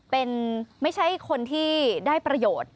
เป็นไม่ใช่คนที่ได้ประโยชน์